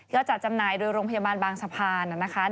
จัดจำหน่ายโดยโรงพยาบาลบางสะพานนะคะ